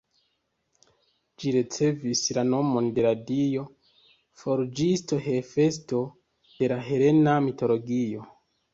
Ĝi ricevis la nomon de la dio forĝisto Hefesto, de la helena mitologio.